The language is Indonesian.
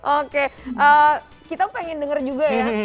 oke kita pengen dengar juga ya